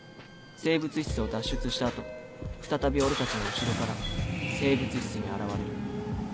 生物室を脱出した後再び俺たちの後ろから生物室に現れる。